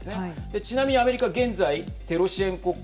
ちなみにアメリカ、現在テロ支援国家